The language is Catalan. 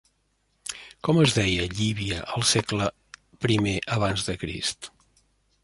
Com es deia Llívia al segle i aC?